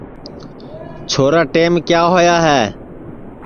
چھورا ٹیم کیا ہوا ہے